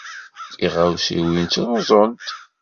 Tiɣawsiwin ttruẓunt.